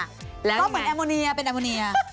ก็เหมือนแอร์โมเนียเป็นแอร์โมเนีย